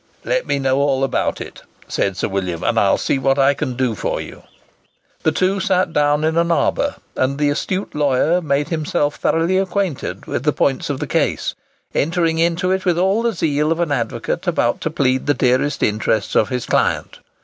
"Let me know all about it," said Sir William, "and I'll see what I can do for you." The two sat down in an arbour, and the astute lawyer made himself thoroughly acquainted with the points of the case; entering into it with all the zeal of an advocate about to plead the dearest interests of his client.